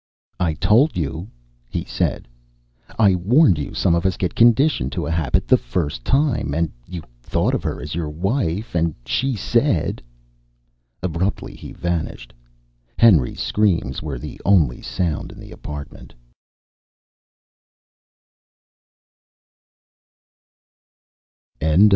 "I told you," he said. "I warned you some of us get conditioned to a habit the first time. And you thought of her as your wife and she said...." Abruptly, he vanished. Henry's screams were the only sound in the apartment.